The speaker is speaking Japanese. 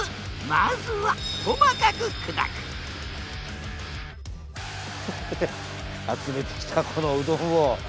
まずは細かく砕く集めてきたこのうどんを。